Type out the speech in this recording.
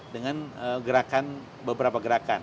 dengan gerakan beberapa gerakan